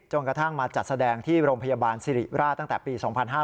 กระทั่งมาจัดแสดงที่โรงพยาบาลสิริราชตั้งแต่ปี๒๕๕๙